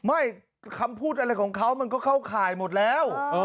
ไม่คำพูดอะไรของเขามันก็เข้าข่ายหมดแล้ว